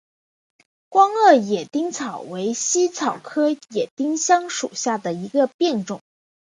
光萼野丁香为茜草科野丁香属下的一个变种。